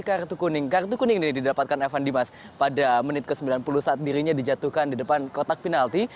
kartu kuning kartu kuning ini didapatkan evan dimas pada menit ke sembilan puluh saat dirinya dijatuhkan di depan kotak penalti